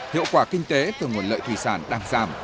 hiệu quả kinh tế từ nguồn lợi thủy sản đang giảm